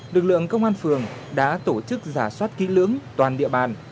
lực lượng công an phường đã tổ chức giả soát kỹ lưỡng toàn địa bàn